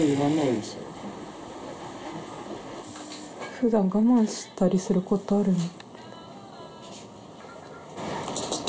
普段我慢したりすることあるの？